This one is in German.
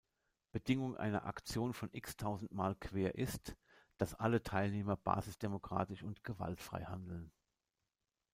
Bedingung einer Aktion von X-tausendmal quer ist, dass alle Teilnehmer basisdemokratisch und gewaltfrei handeln.